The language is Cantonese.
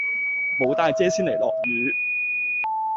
無帶遮先嚟落雨